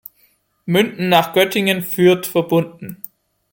Münden nach Göttingen führt verbunden.